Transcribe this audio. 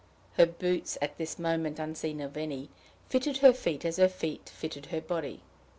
Her boots, at this moment unseen of any, fitted her feet, as her feet fitted her body.